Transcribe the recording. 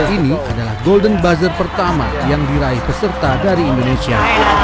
ini adalah golden buzzer pertama yang diraih peserta dari indonesia